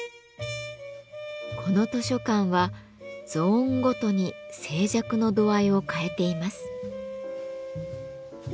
この図書館はゾーンごとに静寂の度合いを変えています。